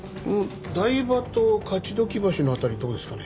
台場と勝鬨橋の辺りどうですかね？